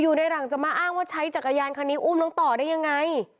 อยู่ในหลังจะมาอ้างว่าใช้จักรยานคันนี้อุ้มน้องต่อได้ยังไง